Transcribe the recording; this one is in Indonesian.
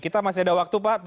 kita masih ada waktu pak